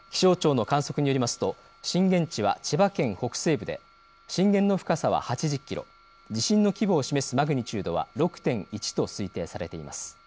気象庁の観測によりますと震源地は千葉県北西部で震源の深さは８０キロ、地震の規模を示すマグニチュードは６．１と推定されています。